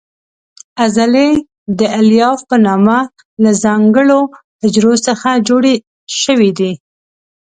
عضلې د الیاف په نامه له ځانګړو حجرو څخه جوړې شوې دي.